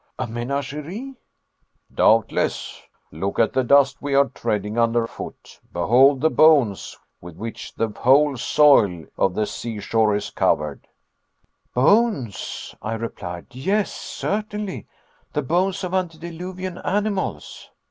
"A menagerie?" "Doubtless. Look at the dust we are treading under foot behold the bones with which the whole soil of the seashore is covered " "Bones," I replied, "yes, certainly, the bones of antediluvian animals."